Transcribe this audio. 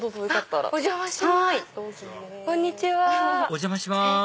お邪魔します